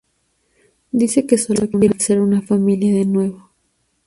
Dice que sólo quiere ser una familia de nuevo.